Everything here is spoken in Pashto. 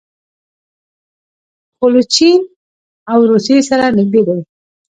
خو له چین او روسیې سره نږدې دي.